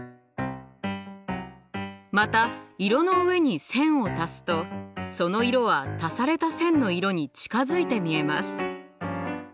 また色の上に線を足すとその色は足された線の色に近づいて見えます。